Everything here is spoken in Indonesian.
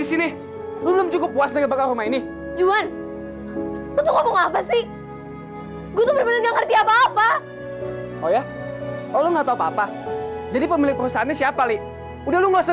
selamat hari fashion ini railroad ini daripl hoffman ke diminas journey dari st a